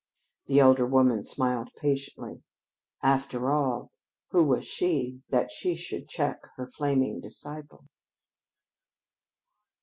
The elder woman smiled patiently. After all, who was she that she should check her flaming disciple?